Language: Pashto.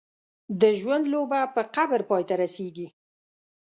د ژوند لوبه په قبر پای ته رسېږي.